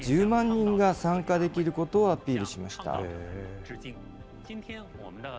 同時に１０万人が参加できることをアピールしました。